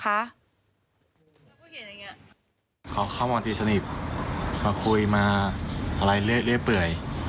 เขาเข้ามาตีสนิทมาคุยมาอะไรเรื่อยเปื่อย